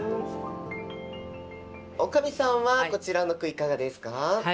女将さんはこちらの句いかがですか？